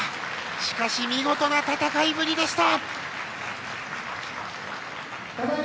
しかし、見事な戦いぶりでした。